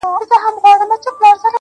o د ستن او تار خبري ډيري شې دي.